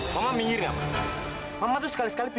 sri cepat ke sini